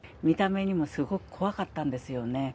見た目にもすごく怖かったんですよね。